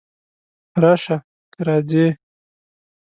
راشه! که راځې!